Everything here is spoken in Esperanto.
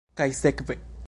Kaj sekve.